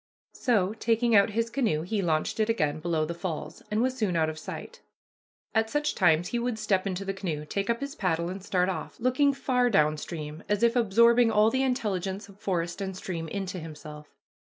So, taking out his canoe, he launched it again below the falls, and was soon out of sight. At such times he would step into the canoe, take up his paddle, and start off, looking far down stream as if absorbing all the intelligence of forest and stream into himself.